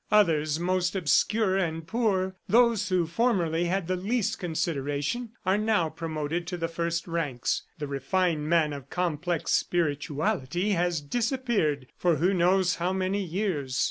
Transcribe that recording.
Others, most obscure and poor, those who formerly had the least consideration, are now promoted to the first ranks. The refined man of complex spirituality has disappeared for who knows how many years!